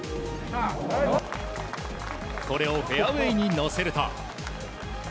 これをフェアウェーに乗せると。